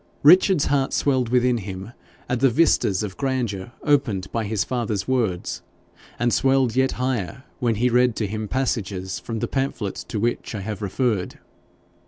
Richard's heart swelled within him at the vistas of grandeur opened by his father's words, and swelled yet higher when he read to him passages from the pamphlet to which I have referred.